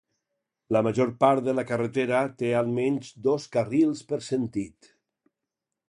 La major part de la carretera té almenys dos carrils per sentit.